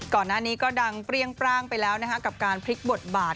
ก่อนหน้านี้ก็ดังเปรี้ยงปร่างไปแล้วนะคะกับการพลิกบทบาท